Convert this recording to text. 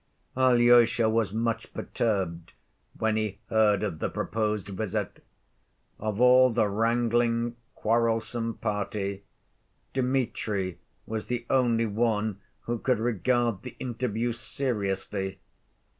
Alyosha was much perturbed when he heard of the proposed visit. Of all the wrangling, quarrelsome party, Dmitri was the only one who could regard the interview seriously.